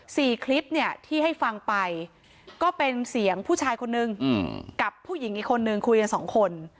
คลิปเนี่ยที่ให้ฟังไปก็เป็นเสียงผู้ชายคนนึงกับผู้หญิงอีกคนนึงคุยกันสองคน